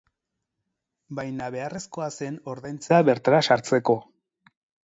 Baina beharrezkoa zen ordaintzea bertara sartzeko.